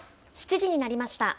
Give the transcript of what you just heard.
７時になりました。